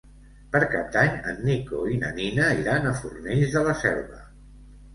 Per Cap d'Any en Nico i na Nina iran a Fornells de la Selva.